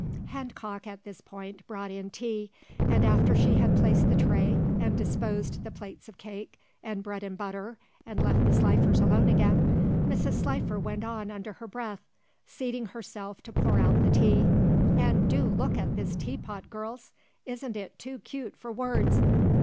Handcock at this point brought in tea, and after she had placed the tray and disposed the plates of cake and bread and butter and left the Slifers alone again, Mrs. Slifer went on under her breath, seating herself to pour out the tea. "And do look at this tea pot, girls; isn't it too cute for words.